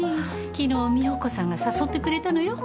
昨日美保子さんが誘ってくれたのよ。